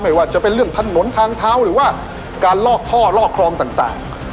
ว่าจะเป็นเรื่องถนนทางเท้าหรือว่าการลอกท่อลอกคลองต่าง